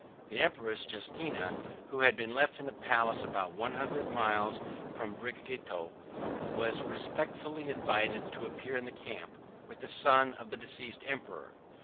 The empress Justina, who had been left in a palace about one hundred miles from Bregetio, was respectively invited to appear in the camp, with the son of the deceased emperor.